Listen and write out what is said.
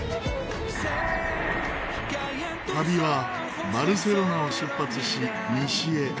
旅はバルセロナを出発し西へ。